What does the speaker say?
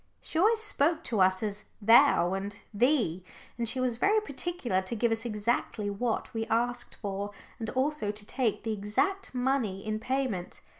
She always spoke to us as "thou" and "thee," and she was very particular to give us exactly what we asked for, and also to take the exact money in payment.